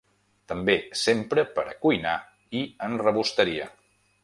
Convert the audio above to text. També s'empra per a cuinar i en rebosteria.